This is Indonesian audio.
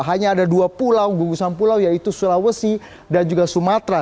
hanya ada dua pulau gugusan pulau yaitu sulawesi dan juga sumatera